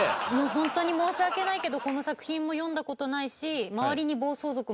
ホントに申し訳ないけどこの作品も読んだ事ないし。